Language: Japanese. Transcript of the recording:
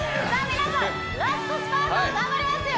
皆さんラストスパート頑張りますよ